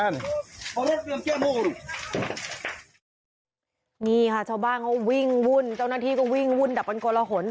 นี่ค่ะเจ้าบ้านเขาวิ่งวุ่นเจ้านัฐีก็วิ่งวุ่นดับบรรกลาหลสฝน